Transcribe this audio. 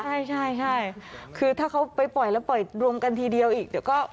ใช่ใช่คือถ้าเขาไปปล่อยแล้วปล่อยรวมกันทีเดียวอีกเดี๋ยวก็